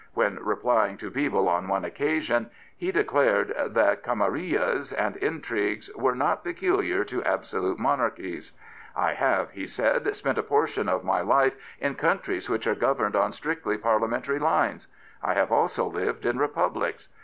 When replying to Bebel on one occasion, he declared 173 Prophets, Priests, and Kings that camarillas and intrigues were not peculiar to absolute monarchies. I have/* he said, spent a portion of my life in countries which are governed on strictly Parlia mentary lines. I have also lived in Republics.